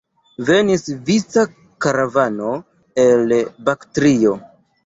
Venis vica karavano el Baktrio.